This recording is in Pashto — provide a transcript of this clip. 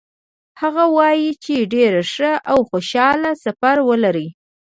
هغه وایي چې ډېر ښه او خوشحاله سفر ولرئ.